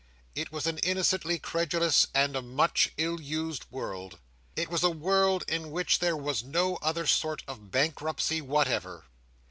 It was an innocently credulous and a much ill used world. It was a world in which there was no other sort of bankruptcy whatever.